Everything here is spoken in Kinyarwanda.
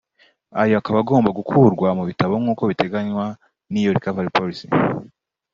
ayo akaba agomba gukurwa mu bitabo nk’uko biteganywa n’iyo ‘Recovery policy’